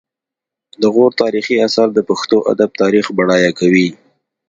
د غور تاریخي اثار د پښتو ادب تاریخ بډایه کوي